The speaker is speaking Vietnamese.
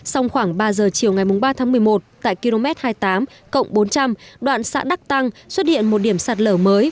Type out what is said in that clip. sau khoảng ba giờ chiều ngày ba tháng một mươi một tại km hai mươi tám cộng bốn trăm linh đoạn xã đắc tăng xuất hiện một điểm sạt lở mới